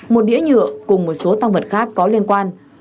một đĩa nhựa cùng một số tăng vật khác có liên quan